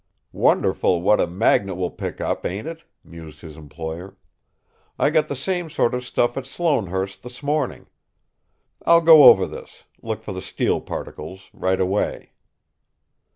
"Wonderful what a magnet will pick up, ain't it?" mused his employer: "I got the same sort of stuff at Sloanehurst this morning. I'll go over this, look for the steel particles, right away."